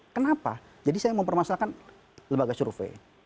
kenapa jadi saya mempermasalahkan lembaga survei